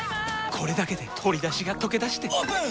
これだけで鶏だしがとけだしてオープン！